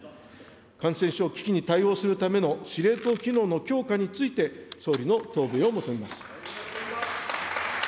感染症危機に対応するための司令塔機能の強化について、総理の答弁を求めます。